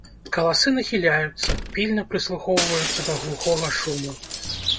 Каласы нахіляюцца, пільна прыслухоўваюцца да глухога шуму.